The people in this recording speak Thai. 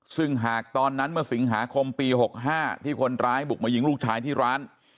ซึ่งหากตอนนั้นเมื่อสิงหาคมปี๖๕ที่คนร้ายบุกมายิงลูกชายที่ร้าน